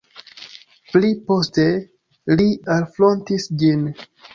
Pli poste li alfrontis ĝin.